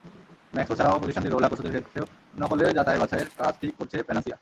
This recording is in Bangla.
ম্যাক্সপ্রো ছাড়াও প্রতিষ্ঠানটির রোল্যাক ওষুধের ক্ষেত্রেও নকলের যাচাই-বাছাইয়ের কাজটি করছে প্যানাসিয়া।